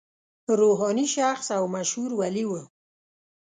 روحاني شخص او مشهور ولي و.